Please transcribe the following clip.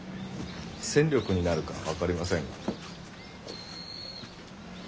戦力になるか分かりませんが。